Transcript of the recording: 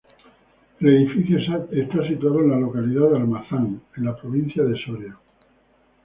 El edificio está situado en la localidad de Almazán, en la provincia de Soria.